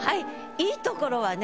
良いところはね